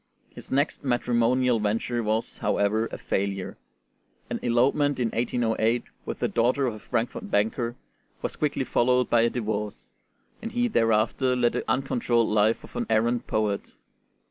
His next matrimonial venture was, however, a failure: an elopement in 1808 with the daughter of a Frankfort banker was quickly followed by a divorce, and he thereafter led the uncontrolled life of an errant poet.